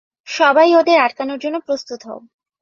সবাই ওদের আটকানোর জন্য প্রস্তুত হও!